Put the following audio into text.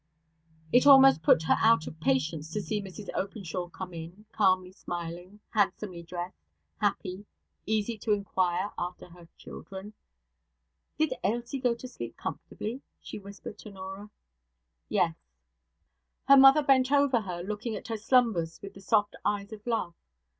It almost put her out of patience to see Mrs Openshaw come in, calmly smiling, handsomely dressed, happy, easy, to inquire after her children. 'Did Ailsie go to sleep comfortably?' she whispered to Norah. 'Yes.' Her mother bent over her, looking at her slumbers with the soft eyes of love.